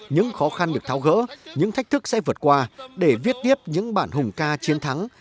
những khó khăn được tháo gỡ những thách thức sẽ vượt qua để viết tiếp những bản hùng ca chiến thắng